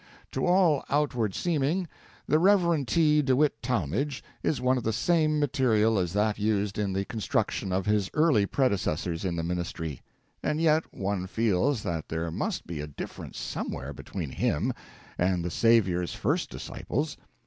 To all outward seeming, the Rev. T. De Witt Talmage is of the same material as that used in the construction of his early predecessors in the ministry; and yet one feels that there must be a difference somewhere between him and the Saviour's first disciples.